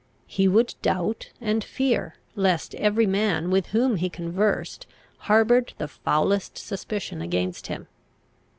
He would doubt and fear, lest every man with whom he conversed harboured the foulest suspicion against him.